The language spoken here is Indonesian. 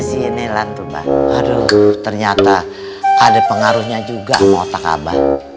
sih nelan ternyata ada pengaruhnya juga otak abah